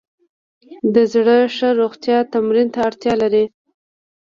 د زړه ښه روغتیا تمرین ته اړتیا لري.